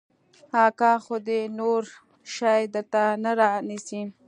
اکا خو دې نور شى درته نه رانيسي.